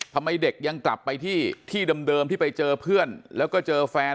ทำไมเด็กยังกลับไปที่ที่เดิมที่ไปเจอเพื่อนแล้วก็เจอแฟน